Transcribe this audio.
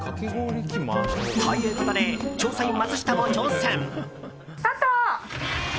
ということで調査員マツシタも挑戦。